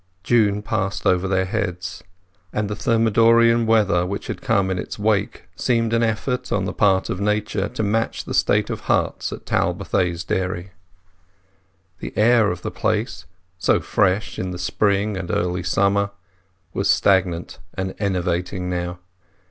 July passed over their heads, and the Thermidorean weather which came in its wake seemed an effort on the part of Nature to match the state of hearts at Talbothays Dairy. The air of the place, so fresh in the spring and early summer, was stagnant and enervating now.